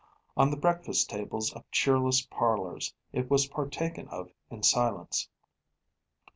On the breakfast tables of cheerless parlours it was partaken of in silence.